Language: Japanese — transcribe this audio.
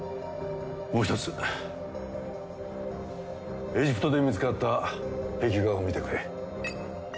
もうひとつエジプトで見つかった壁画を見てくれ。